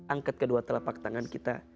angkat kedua telapak tangan kita